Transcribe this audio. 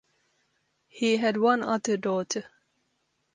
He had one other daughter.